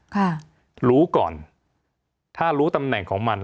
ค่ะรู้ก่อนถ้ารู้ตำแหน่งของมัน